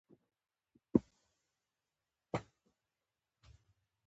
بادرنګ کولای شي پوستکی نرم وساتي.